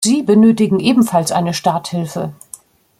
Sie benötigen ebenfalls eine Starthilfe.